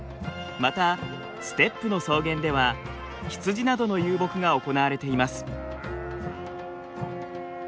またステップの草原では羊などの遊牧が行われています。